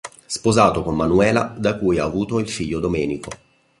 Sposato con Manuela, da cui ha avuto il figlio Domenico.